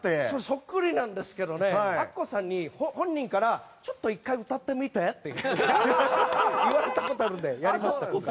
そっくりなんですけどねアッコさんに、本人からちょっと１回歌ってみてって言われたことがあるのでやりました。